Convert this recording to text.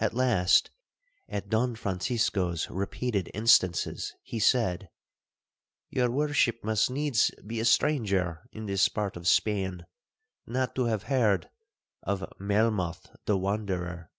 'At last, at Don Francisco's repeated instances, he said, 'Your worship must needs be a stranger in this part of Spain not to have heard of Melmoth the wanderer.'